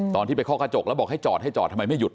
ตอนที่ไปเคาะกระจกแล้วบอกให้จอดให้จอดทำไมไม่หยุด